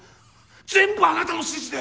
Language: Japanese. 全部あなたの指示で。